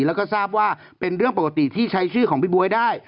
แล้วก็ทราบว่าเป็นเรื่องปกติที่ใช้ชื่อของพี่บ๊วยได้